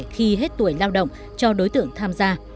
khi hết tuổi lao động cho đối tượng tham gia